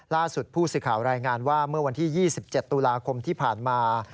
ล่าสุดผู้สื่อข่าวรายงานว่าเมื่อวันที่๒๗ตุลาคมที่ผ่านมา